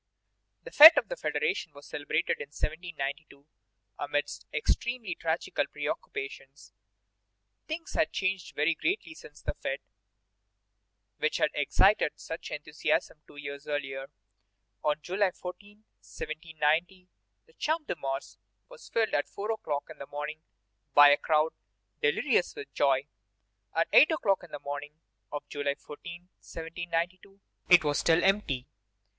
The fête of the Federation was celebrated in 1792 amidst extremely tragical preoccupations. Things had changed very greatly since the fête which had excited such enthusiasm two years earlier. On July 14, 1790, the Champ de Mars was filled at four o'clock in the morning by a crowd delirious with joy. At eight o'clock in the morning of July 14, 1792, it was still empty.